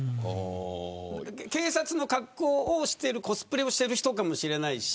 警察の格好をしているコスプレの人かもしれないし